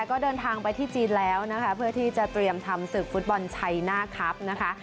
ก็เดินทางไปที่จีนแล้วนะคะเพื่อที่จะเตรียมทำศึกฟุตบอลชัยหน้าครับนะคะ